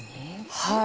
はい。